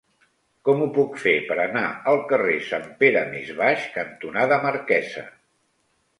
Com ho puc fer per anar al carrer Sant Pere Més Baix cantonada Marquesa?